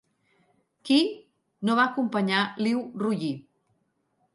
Qi no va acompanyar Liu Ruyi.